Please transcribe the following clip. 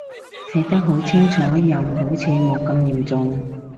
睇清楚又好似冇咁嚴重